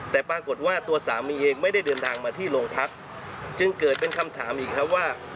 แต่ปรากฏว่าตัวสามีเองไม่ได้เดินทางมาที่โรงพักจึงเกิดเป็นคำถามอีกครับว่า